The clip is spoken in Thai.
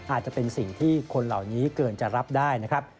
อาจจะเป็นสิ่งที่คนเหล่านี้เกินจะรับได้นะครับ